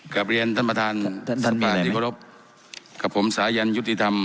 เกือบเรียนท่านประธานท่านท่านมีอะไรไหมครับผมสายัญยุติธรรม